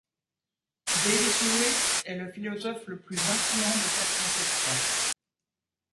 Davis Lewis est le philosophe le plus influent de cette conception.